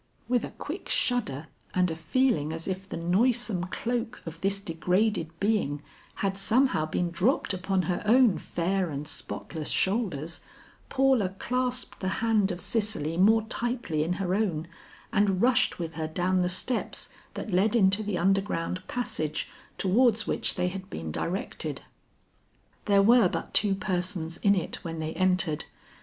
'" With a quick shudder and a feeling as if the noisome cloak of this degraded being had somehow been dropped upon her own fair and spotless shoulders, Paula clasped the hand of Cicely more tightly in her own, and rushed with her down the steps that led into the underground passage towards which they had been directed. There were but two persons in it when they entered.